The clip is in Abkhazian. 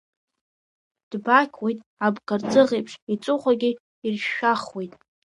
Дбақьуеит, абгарҵыӷеиԥш, иҵыхәагьы иршәшәахуеит.